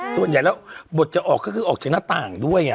ส่วนใหญ่แล้วบทจะออกก็คือออกจากหน้าต่างด้วย